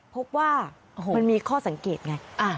พบว่ามันมีข้อสังเกตไง